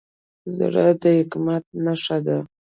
زړه د حکمت نښه ده.